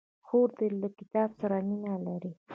خور له کتاب سره مینه لري.